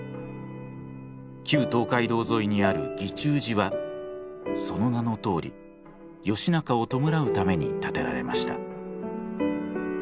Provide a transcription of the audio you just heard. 旧東海道沿いにある義仲寺はその名のとおり義仲を弔うために建てられました。